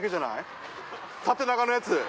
縦長のやつ。